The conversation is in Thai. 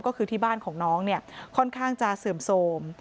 ก็คือที่บ้านของน้องเนี่ยค่อนข้างจะเสื่อมโทรม